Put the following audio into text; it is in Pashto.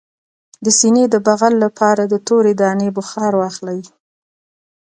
د سینې د بغل لپاره د تورې دانې بخار واخلئ